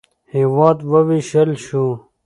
هېواد ووېشل شو.